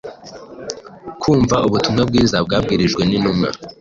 kumva ubutumwa bwiza bwabwirijwe n’intumwa.